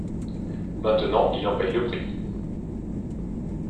Maintenant il en paie le prix.